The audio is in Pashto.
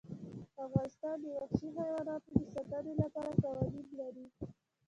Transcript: افغانستان د وحشي حیواناتو د ساتنې لپاره قوانین لري.